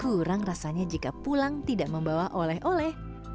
kurang rasanya jika pulang tidak membawa oleh oleh